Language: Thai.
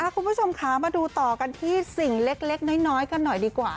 คุณผู้ชมคะมาดูต่อกันที่สิ่งเล็กน้อยกันหน่อยดีกว่า